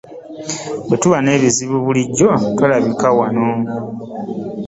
Bwe tuba n'ebizibu bulijjo tolabika wano.